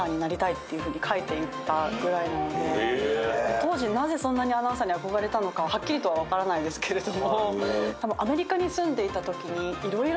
当時なぜそんなにアナウンサーに憧れたのか、はっきりとは分からないですけれども。